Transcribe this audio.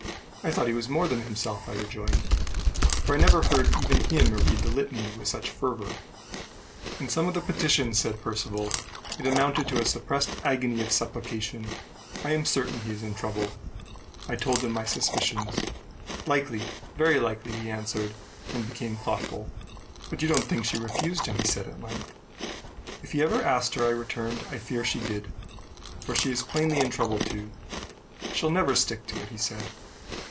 "I thought he was more than himself," I rejoined; "for I never heard even him read the litany with such fervor." "In some of the petitions," said Percivale, "it amounted to a suppressed agony of supplication. I am certain he is in trouble." I told him my suspicions. "Likely very likely," he answered, and became thoughtful. "But you don't think she refused him?" he said at length. "If he ever asked her," I returned, "I fear she did; for she is plainly in trouble too." "She'll never stick to it," he said.